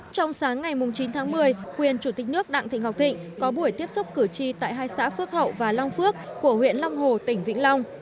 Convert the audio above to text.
trong sáng ngày chín tháng một mươi quyền chủ tịch nước đặng thị ngọc thịnh có buổi tiếp xúc cử tri tại hai xã phước hậu và long phước của huyện long hồ tỉnh vĩnh long